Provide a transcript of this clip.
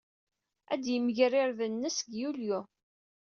Ad yemger irden-nnes deg Yulyu.